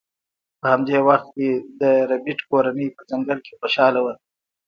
په همدې وخت کې د ربیټ کورنۍ په ځنګل کې خوشحاله وه